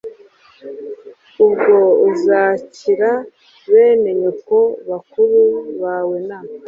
ubwo uzakira bene nyoko bakuru bawe na